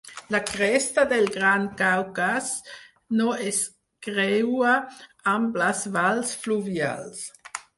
La cresta del Gran Caucas no es creua amb les valls fluvials.